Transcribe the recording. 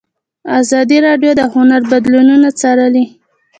ازادي راډیو د هنر بدلونونه څارلي.